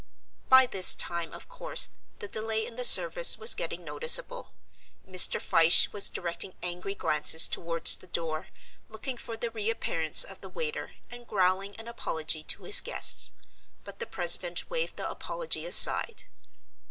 By this time, of course, the delay in the service was getting noticeable. Mr. Fyshe was directing angry glances towards the door, looking for the reappearance of the waiter, and growling an apology to his guests. But the president waved the apology aside.